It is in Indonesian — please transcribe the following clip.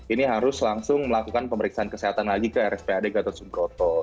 ini harus langsung melakukan pemeriksaan kesehatan lagi ke rspad gatot subroto